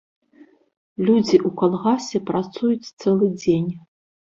Людзі ў калгасе працуюць цэлы дзень.